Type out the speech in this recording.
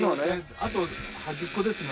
あと端っこですね。